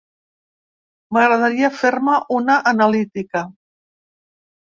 M'agradaria fer-me una analítica.